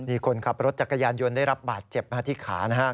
นี่คนขับรถจักรยานยนต์ได้รับบาดเจ็บที่ขานะฮะ